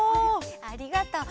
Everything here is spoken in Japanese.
ありがとう。